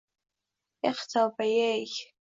Eh, tavba-yey!